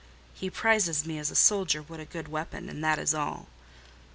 He prizes me as a soldier would a good weapon; and that is all.